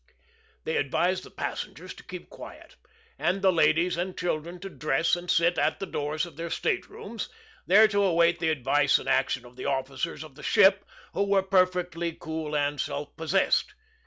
They advised the passengers to keep quiet, and the ladies and children to dress and sit at the doors of their state rooms, there to await the advice and action of the officers of the ship, who were perfectly cool and self possessed.